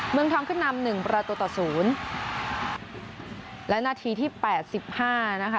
เมืองทองขึ้นนำหนึ่งประตูต่อศูนย์และนาทีที่แปดสิบห้านะคะ